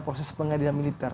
proses pengadilan militer